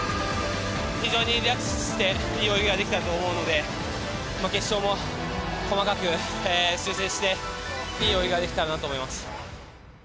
非常にリラックスしていい泳ぎができたと思うので決勝も細かく調整していい泳ぎができたらなと思います。